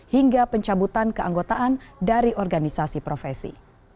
hingga pencabutan keanggotaan dari organisasi profesi